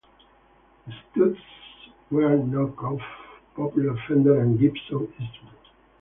The Studs were knock-offs of popular Fender and Gibson instruments.